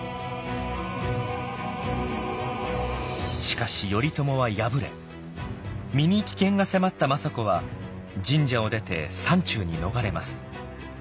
しかし頼朝は敗れ身に危険が迫った政子は神社を出て山中に逃れます。